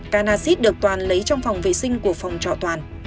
cà nà xít được toàn lấy trong phòng vệ sinh của phòng trọ toàn